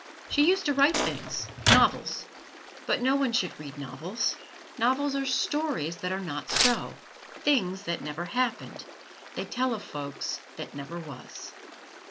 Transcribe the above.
She used to write things novels; but no one should read novels; novels are stories that are not so things that never happened; they tell of folks that never was.